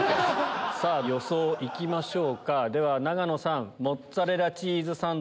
予想行きましょうか永野さん。